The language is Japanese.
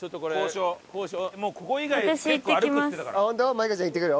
舞香ちゃん行ってくる？